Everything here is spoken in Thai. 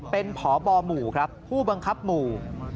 เป็นพบหมู่ครับผู้บังคับหมู่